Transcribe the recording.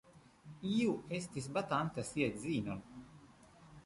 Iu estis batanta sian edzinon.